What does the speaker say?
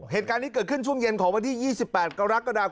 เหตุการณ์นี้เกิดขึ้นช่วงเย็นของวันที่๒๘กรกฎาคม